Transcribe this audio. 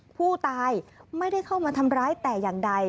ผู้ตายไม่ได้เข้ามาทำร้ายแต่อย่างใด